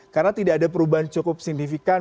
karena tidak ada perubahan cukup signifikan